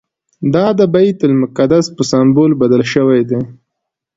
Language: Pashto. دا د بیت المقدس په سمبول بدل شوی دی.